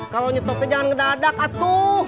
kalo nyetop aja jangan ngedadak atuh